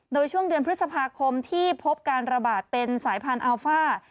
โดยช่วงเดือนพฤษภาคมที่พบการระบาดเป็นสายพันธุ์อัลฟ่า